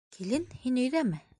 Килен?! һин өйҙәме?